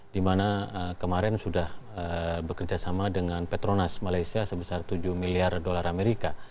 dimana kemarin sudah bekerjasama dengan petronas malaysia sebesar tujuh miliar dolar amerika